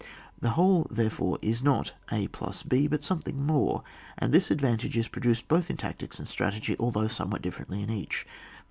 The whole, therefore, is not a + b, but something more ; and this advantage is produced both in tactics and strategy, although somewhat differently in each.